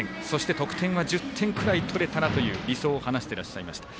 得点は１０点くらい取れたらと理想を話していました。